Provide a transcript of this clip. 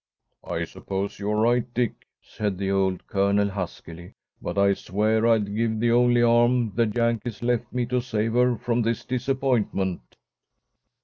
"I suppose you are right, Dick," said the old Colonel, huskily, "but I swear I'd give the only arm the Yankees left me to save her from this disappointment."